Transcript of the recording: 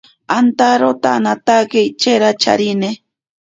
Antaro tanaatake ichera charine.